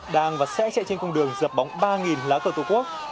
đang và xe chạy trên công đường dập bóng ba lá cờ tổ quốc